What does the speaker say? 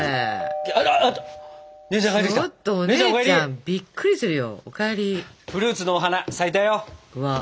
フルーツのお花咲いたよ。